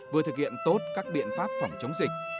vừa thực hiện tốt các biện pháp phòng chống dịch